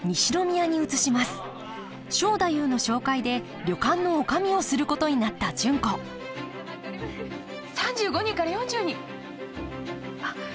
正太夫の紹介で旅館の女将をすることになった純子３５人から４０人あっ高校野球の？